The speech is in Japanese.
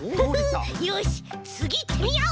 よしつぎいってみよう！